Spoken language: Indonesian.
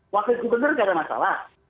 wakil gubernur nggak ada masalah